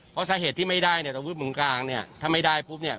เพราะสาเหตุที่ไม่ได้เนี่ยอาวุธมึงกลางเนี่ยถ้าไม่ได้ปุ๊บเนี่ย